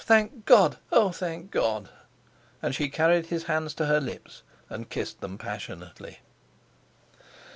Thank God, oh, thank God!" and she carried his hands to her lips and kissed them passionately.